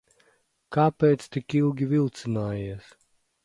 Kāpēc tik ilgi vilcinājies?